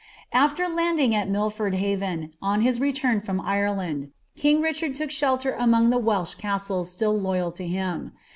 AAer landing al Milford Haven on his return from Ireland, king Richard took shelter among ihe Welsh castles siill loyal to him.